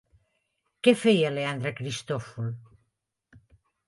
Què feia Leandre Cristòfol?